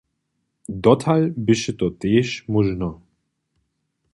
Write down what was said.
Dotal běše to tež móžno.